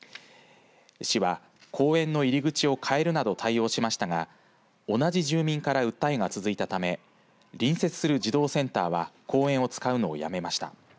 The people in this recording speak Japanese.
市は公園の入り口を変えるなど対応をしましたが同じ住民から訴えが続いたため隣接する児童センターは公園を使うのをやめました。